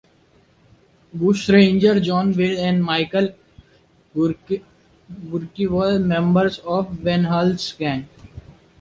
Bushrangers John Vane and Michael Burke were members of the Ben Hall's gang.